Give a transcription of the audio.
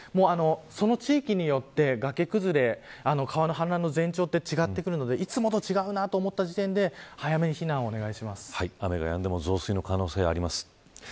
その地域によって、崖崩れや川の氾濫の前兆は違ってくるのでいつもと違うなと思った時点で雨がやんでも増水の可能性はあります。